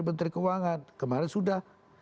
menteri keuangan kemarin sudah